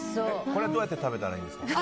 これはどうやって食べたらいいですか？